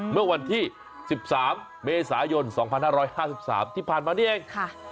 เมื่อวันที่๑๓เมษายน๒๕๕๓ที่ผ่านมานี่เอง